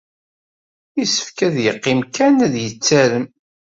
Yessefk ad yeqqim kan ad yettarem.